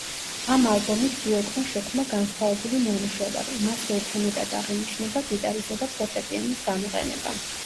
ამ ალბომით დუეტმა შექმნა განსხვავებული ნამუშევარი, მასზე უფრო მეტად აღინიშნება გიტარისა და ფორტეპიანოს გამოყენება.